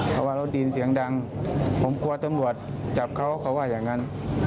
เพราะว่าเราได้ยินเสียงดังผมกลัวตำรวจจับเขาเขาว่าอย่างนั้น